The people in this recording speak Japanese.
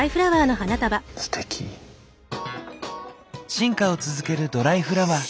進化を続けるドライフラワー。